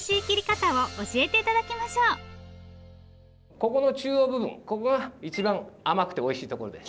ここの中央部分ここが一番甘くておいしいところです。